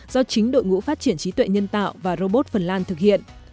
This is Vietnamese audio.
do chính đội ngũ phát triển trí tuệ nhân tạo và robot phần lan thực hiện